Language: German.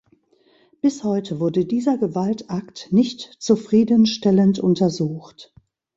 Bis heute wurde dieser Gewaltakt nicht zufrieden stellend untersucht.